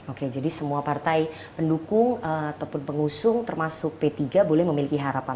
oke jadi semua partai pendukung ataupun pengusung termasuk p tiga boleh memiliki harapan